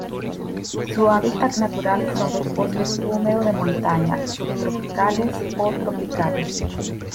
Su hábitat natural son los bosques húmedos de montaña subtropicales o tropicales.